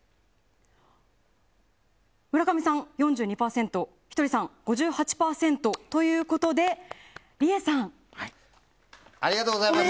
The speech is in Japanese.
村上さん、４２％ひとりさん、５８％。ということで、リエさんおめでとうございます。